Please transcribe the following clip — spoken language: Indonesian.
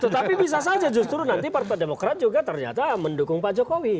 tetapi bisa saja justru nanti partai demokrat juga ternyata mendukung pak jokowi